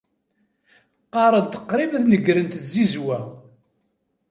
Qqaren-d qrib ad negrent tzizwa.